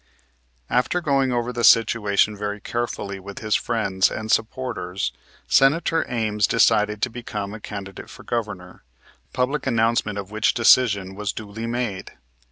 After going over the situation very carefully with his friends and supporters Senator Ames decided to become a candidate for Governor, public announcement of which decision was duly made.